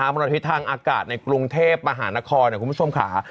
บริษัทธิภัณฑ์อากาศในกรุงเทพฯมหานครคุณผู้ชมค่ะ